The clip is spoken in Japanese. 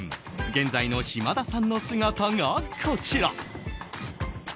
現在の島田さんの姿がこちら。